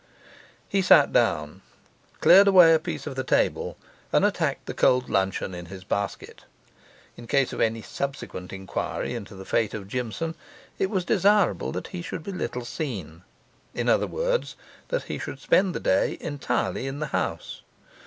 He sat down, cleared away a piece of the table, and attacked the cold luncheon in his basket. In case of any subsequent inquiry into the fate of Jimson, It was desirable he should be little seen: in other words, that he should spend the day entirely in the house.